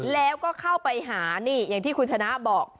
แล้วก็เข้าไปหานี่อย่างที่คุณชนะบอก